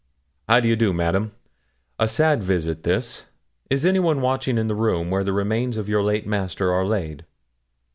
'How do you do, Madam? A sad visit this. Is anyone watching in the room where the remains of your late master are laid?'